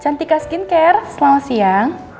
cantika skincare selamat siang